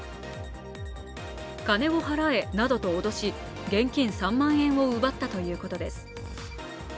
金を払えなどと脅し、現金３万円を奪ったということです。